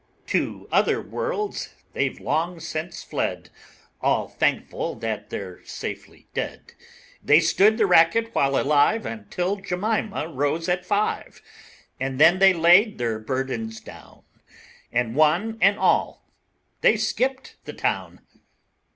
To other worlds they've long since fled, All thankful that they're safely dead. They stood the racket while alive Until Jemima rose at five. And then they laid their burdens down, And one and all they skipped the town.